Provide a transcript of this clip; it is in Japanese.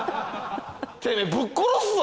てめえぶっ殺すぞ！